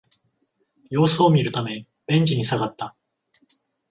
様子を見るためベンチに下がった